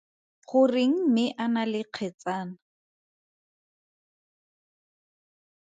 Goreng mme a na le kgetsana?